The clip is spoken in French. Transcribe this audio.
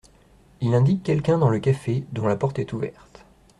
Il indique quelqu’un dans le café dont la porte est ouverte.